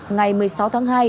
ngày một mươi sáu tháng hai